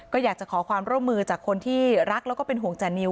ก็อยากจะขอความร่วมมือจากคนที่รักแล้วก็เป็นห่วงจานิว